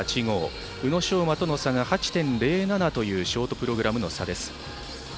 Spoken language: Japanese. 宇野昌磨との差が８．０７というショートプログラムの差です。